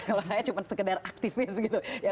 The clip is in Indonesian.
kalau saya cuma sekedar aktivis gitu